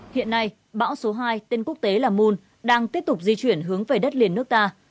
hiện nay bão số hai tên quốc tế là moon đang tiếp tục di chuyển hướng về đất liền nước ta